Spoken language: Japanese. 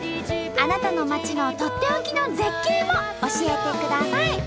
あなたの町のとっておきの絶景も教えてください！